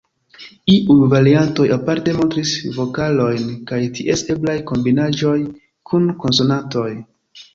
Iuj variantoj aparte montris vokalojn kaj ties eblaj kombinaĵoj kun konsonantoj.